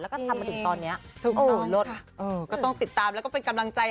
แล้วก็ทำมาถึงตอนนี้ลดก็ต้องติดตามแล้วก็เป็นกำลังใจ